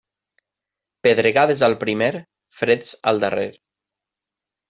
Pedregades al primer, freds al darrer.